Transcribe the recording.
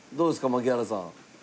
槙原さん。